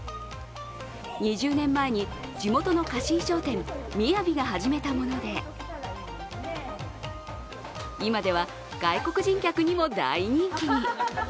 ２０年前に、地元の貸衣装店みやびが始めたもので今では外国人客にも大人気に。